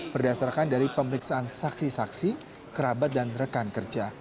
berdasarkan dari pemeriksaan saksi saksi kerabat dan rekan kerja